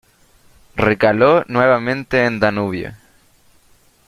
Recaló nuevamente en Danubio.